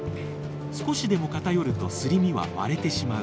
少しでも片寄るとすり身は割れてしまう。